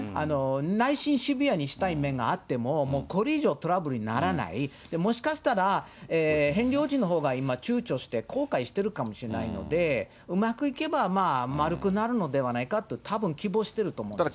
内心、シビアにしたい面があっても、これ以上トラブルにならない、もしかしたら、ヘンリー王子のほうが今、ちゅうちょして、後悔しているかもしれないので、うまくいけば丸くなるのではないかと、たぶん希望していると思います。